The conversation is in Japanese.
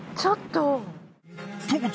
ちょっと。